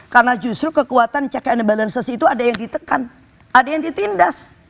karena justru kekuatan check and balances itu ada yang ditekan ada yang ditindas